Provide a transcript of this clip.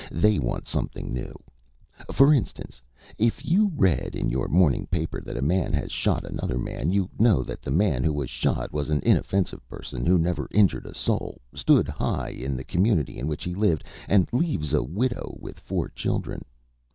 They want something new. For instance, if you read in your morning paper that a man has shot another man, you know that the man who was shot was an inoffensive person who never injured a soul, stood high in the community in which he lived, and leaves a widow with four children.